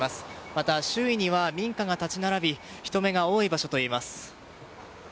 また周囲には民家が立ち並び人目が多い場所といえます。